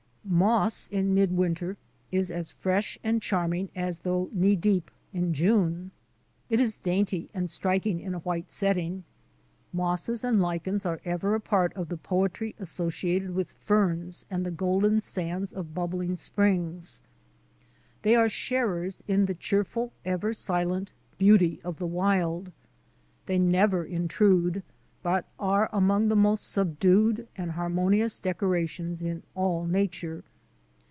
Moss in midwinter is as fresh and charming as though knee deep in June. It is dainty and strik ing in a white setting. Mosses and lichens are ever a part of the poetry associated with ferns and the golden sands of bubbling springs; they are sharers in the cheerful, ever silent beauty of the wild. They never intrude, but are among the most subdued and harmonious decorations in all nature.